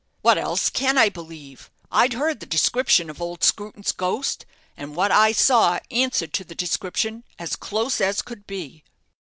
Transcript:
"What else can I believe? I'd heard the description of old Screwton's ghost, and what I saw answered to the description as close as could be."